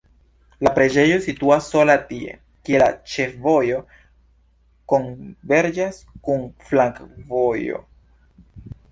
La preĝejo situas sola tie, kie la ĉefvojo konverĝas kun flankovojo.